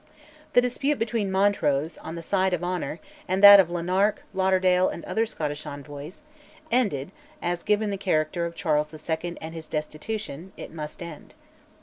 The dispute between Montrose, on the side of honour, and that of Lanark, Lauderdale, and other Scottish envoys, ended as given the character of Charles II. and his destitution it must end.